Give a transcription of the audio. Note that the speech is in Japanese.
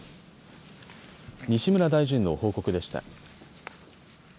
西村大臣の報告でした。